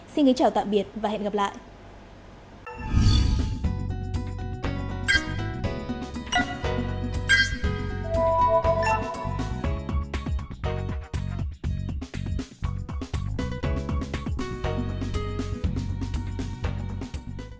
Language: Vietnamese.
xin chào và hẹn gặp lại